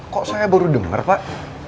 kok saya baru dengar pak